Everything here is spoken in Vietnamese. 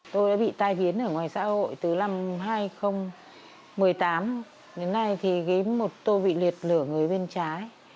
tôi đã bị tai biến ở ngoài xã hội từ năm hai nghìn một mươi tám đến nay thì một tôi bị liệt lửa người bên trái